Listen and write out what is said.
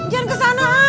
jangan ke sana